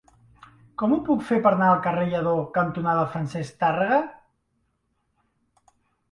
Com ho puc fer per anar al carrer Lledó cantonada Francesc Tàrrega?